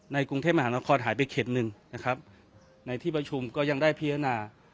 กรุงเทพมหานครหายไปเข็ดหนึ่งนะครับในที่ประชุมก็ยังได้พิจารณา